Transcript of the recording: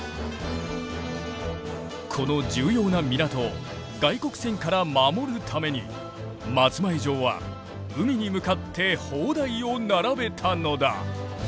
この重要な港を外国船から守るために松前城は海に向かって砲台を並べたのだ。